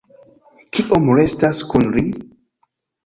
Kiom restas kun li?